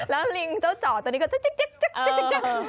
แล้วลิงเจ้าเจาะตอนนี้ก็จ๊ะจ๊ะจ๊ะ